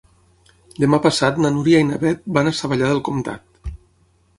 Demà passat na Núria i na Beth van a Savallà del Comtat.